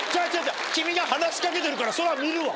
君が話しかけてるからそりゃ見るわ。